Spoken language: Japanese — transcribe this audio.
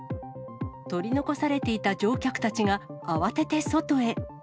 取り残されていた乗客たちが、慌てて外へ。